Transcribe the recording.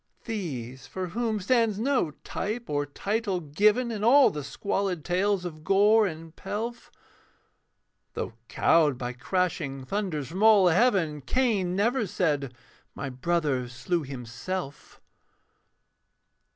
These, for whom stands no type or title given In all the squalid tales of gore and pelf; Though cowed by crashing thunders from all heaven. Cain never said, 'My brother slew himself.'